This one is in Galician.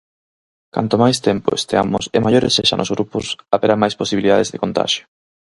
Canto máis tempo esteamos e maiores sexan os grupos, haberá máis posibilidades de contaxio.